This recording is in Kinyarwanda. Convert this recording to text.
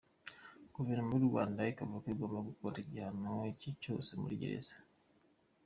Guverinoma y’u Rwanda ikavuga ko agomba gukora igihano cye cyose muri gereza.